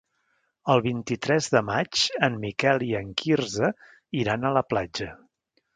El vint-i-tres de maig en Miquel i en Quirze iran a la platja.